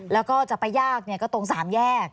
แล้วก็จะไปยากเนี่ยก็ตรงสามแยก